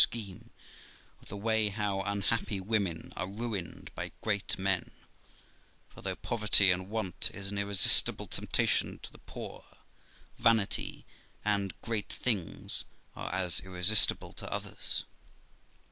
scheme of the way how unhappy women are ruined by great men; for, though poverty and want is an irresistible temptation to the poor, vanity and great things are as irresistible to others.